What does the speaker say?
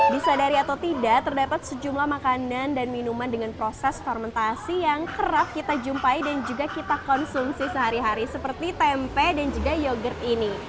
disadari atau tidak terdapat sejumlah makanan dan minuman dengan proses fermentasi yang kerap kita jumpai dan juga kita konsumsi sehari hari seperti tempe dan juga yogurt ini